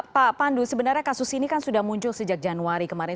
pak pandu sebenarnya kasus ini kan sudah muncul sejak januari kemarin